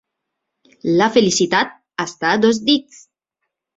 La felicitat està a dos dits!